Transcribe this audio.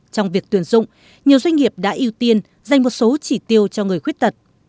trong việc tuyển dụng nhiều doanh nghiệp đã ưu tiên dành một số chỉ tiêu cho người khuyết tật